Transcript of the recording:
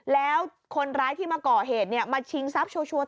แล้วคนร้ายที่มาก่อเหตุมาชิงทรัพย์ชัวร์